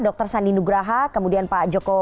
dr sandi nugraha kemudian pak joko